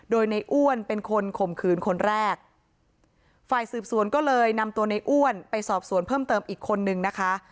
โดยในอ้วนเป็นคนข่มขืนคนแรกฝ่ายสืบสวนก็เลยนำตัวในอ้วนไปสอบสวนเพิ่มเติมอีกคนนึงนะคะ